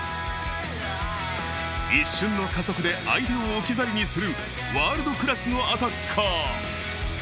一瞬の加速で相手を置き去りにするワールドクラスのアタッカー。